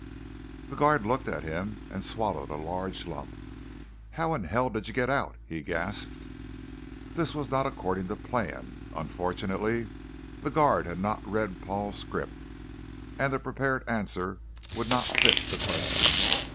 The guard looked at him and swallowed a large lump. "How in hell did you get out?" he gasped. This was not according to plan; unfortunately, the guard had not read Paul's script, and the prepared answer would not fit the question.